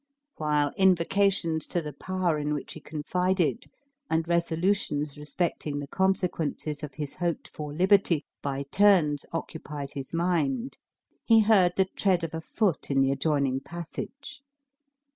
While invocations to the Power in which he confided, and resolutions respecting the consequences of his hoped for liberty, by turns occupied his mind, he heard the tread of a foot in the adjoining passage.